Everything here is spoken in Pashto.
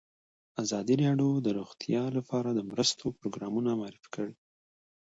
ازادي راډیو د روغتیا لپاره د مرستو پروګرامونه معرفي کړي.